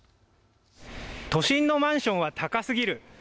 都心のマンションは高すぎる。